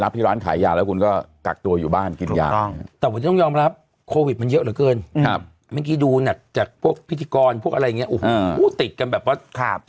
ติดกันแบบว่าติดกันแบบว่า